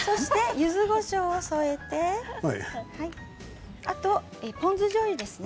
ゆずこしょうを添えてポン酢しょうゆですね。